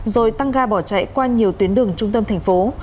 rồi tăng ga bỏ chạy qua nhiều tuyến đường trung tâm thành phố